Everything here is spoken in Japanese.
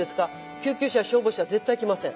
救急車消防車絶対来ません。